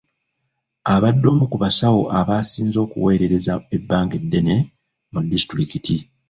Abadde omu ku basawo abasinze okuweererezza ebbanga eddene mu disitulikiti.